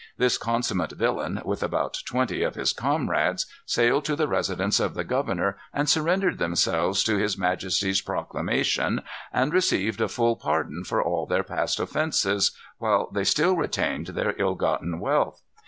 This consummate villain, with about twenty of his comrades, sailed to the residence of the governor, and surrendered themselves to his majesty's proclamation, and received a full pardon for all their past offences, while they still retained their ill gotten wealth.